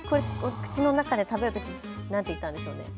口の中で食べるときに何て言ったんでしょうね。